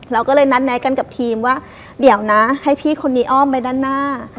เราก็เลยนัดแนะกันกับทีมว่าเดี๋ยวนะให้พี่คนนี้อ้อมไปด้านหน้า